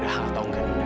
gak ada hal tau nggak nih